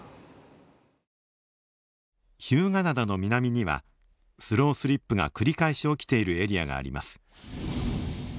日向灘の南にはスロースリップが繰り返し起きているエリアがあります。